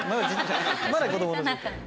まだ子供の状態。